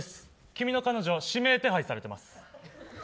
君の彼女指名手配されてます。